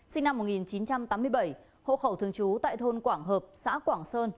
sinh năm một nghìn chín trăm tám mươi bảy hộ khẩu thường trú tại thôn quảng hợp xã quảng sơn